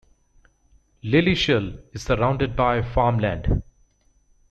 Lilleshall is surrounded by farmland.